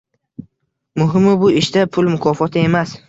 Muhimi bu ishda pul mukofoti emas